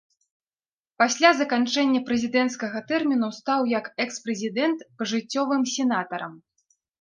Пасля заканчэння прэзідэнцкага тэрміну стаў як экс-прэзідэнт пажыццёвым сенатарам.